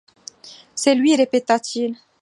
C’est lui! répéta-t-il.